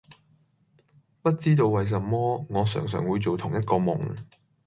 不知道為什麼，我常常會做同一個夢